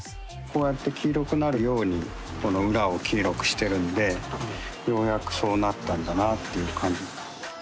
こうやって黄色くなるようにこの裏を黄色くしてるんでようやくそうなったんだなっていう感じ。